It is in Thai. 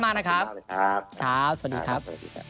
มากนะครับครับสวัสดีครับ